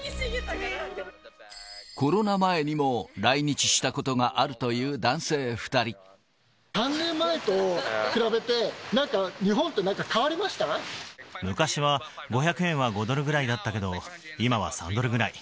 コロナ前にも来日したことが３年前と比べて、なんか日本昔は５００円は５ドルぐらいだったけど、今は３ドルぐらい。